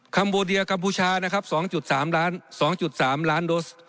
คัมโบเดียกัมพูชานะครับสองจุดสามล้านสองจุดสามล้านโดส